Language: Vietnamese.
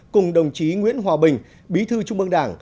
cùng đồng chí nguyễn hòa bình bí thư trung mương đảng